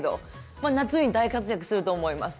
まあ夏に大活躍すると思います。